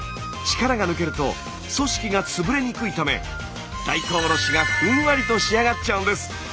力が抜けると組織が潰れにくいため大根おろしがふんわりと仕上がっちゃうんです。